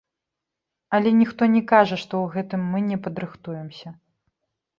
Але ніхто не кажа, што ў гэтым мы не падрыхтуемся.